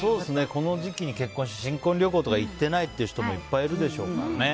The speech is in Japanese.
この時期に結婚して新婚旅行とか行ってないという人もいっぱいいるでしょうからね。